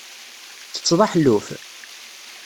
Ttetteḍ aḥelluf?